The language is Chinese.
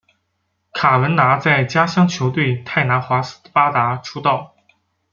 卡文拿在家乡球队泰拿华斯巴达出道。